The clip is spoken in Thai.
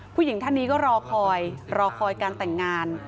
ผู้หญิงท่านนี้ก็รอคอยรอคอยการแต่งงาน